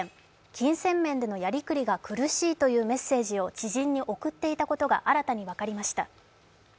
金銭面でのやりくりが苦しいというメッセージを知人に送っていたことが新たに分かりました。